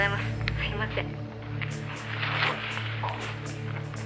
すいません」